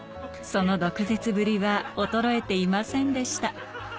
その毒舌ぶりは衰えていませんでした。